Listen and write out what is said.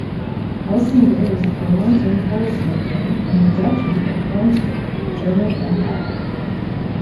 Heusinger was born in Holzminden, in the Duchy of Brunswick, German Empire.